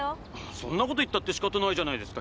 そんなこと言ったって仕方ないじゃないですか。